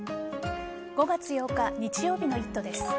５月８日日曜日の「イット！」です。